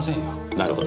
なるほど。